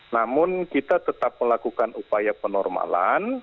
namun kita tetap melakukan upaya penormalan